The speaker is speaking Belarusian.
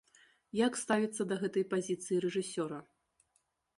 Як ставіцца да гэтай пазіцыі рэжысёра?